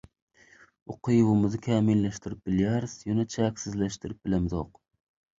Ukybymyzy kämilleşdirip bilýäris, ýöne çäksizleşdirip bilemzok.